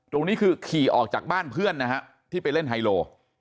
ตรงนี้คือขี่ออกจากบ้านเพื่อนนะฮะที่ไปเล่นไฮโล